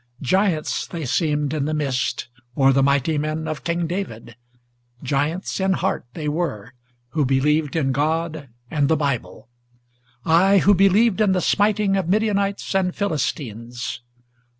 Giants they seemed in the mist, or the mighty men of King David; Giants in heart they were, who believed in God and the Bible, Ay, who believed in the smiting of Midianites and Philistines.